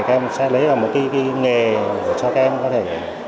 các em sẽ lấy vào một cái nghề cho các em có thể